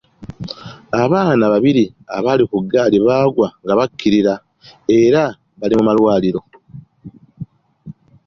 Abaana babiri abaali ku ggaali baagwa nga bakkirira era bali mu malwaliro.